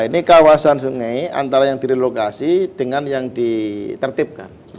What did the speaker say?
ini kawasan sungai antara yang direlokasi dengan yang ditertibkan